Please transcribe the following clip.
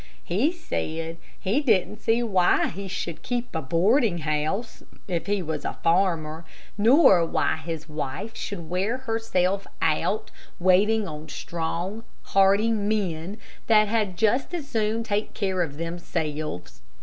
He said that he didn't see why he should keep a boarding house, if he was a farmer, nor why his wife should wear herself out waiting on strong, hearty men, that had just as soon take care of themselves.